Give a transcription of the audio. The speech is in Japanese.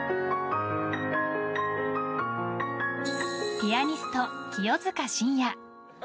ピアニスト、清塚信也。